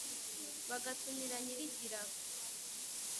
Bagatumira Nyirigira,